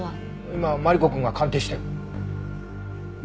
今マリコくんが鑑定してる。